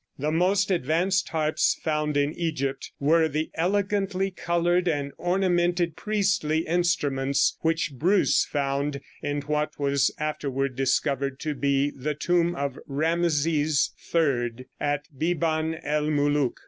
] The most advanced harps found in Egypt were the elegantly colored and ornamented priestly instruments which Bruce found in what was afterward discovered to be the tomb of Rameses III, at Biban El Moulouk.